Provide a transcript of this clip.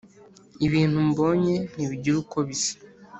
Ibintu mbonye ntibigira uko bisa.